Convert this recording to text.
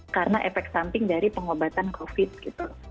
karena efek samping dari pengobatan covid gitu